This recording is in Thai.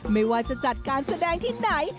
ไม่ว่าจะจัดการแสดงที่ไหน